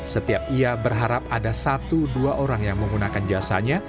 setiap ia berharap ada satu dua orang yang menggunakan jasanya